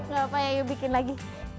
gak apa apa ya yuk bikin lagi